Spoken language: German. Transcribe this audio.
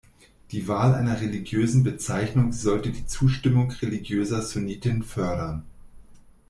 Die Wahl einer religiösen Bezeichnung sollte die Zustimmung religiöser Sunniten fördern.